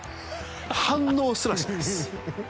反応すらしないです。